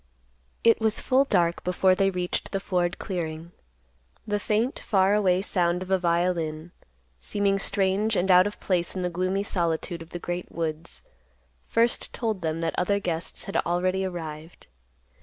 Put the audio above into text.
It was full dark before they reached the Ford clearing. The faint, far away sound of a violin, seeming strange and out of place in the gloomy solitude of the great woods, first told them that other guests had already arrived.